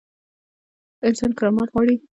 انسان کرامت غواړي